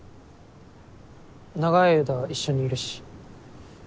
長い間一緒にいるし。